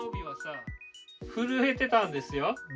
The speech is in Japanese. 震えてたんですよ。